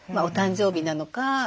お誕生日なのか